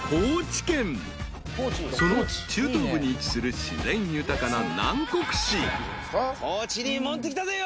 ［その中東部に位置する自然豊かな］